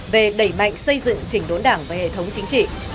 về đẩy mạnh xây dựng chỉnh đốn đảng và hệ thống chính trị